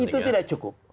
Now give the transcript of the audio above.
itu tidak cukup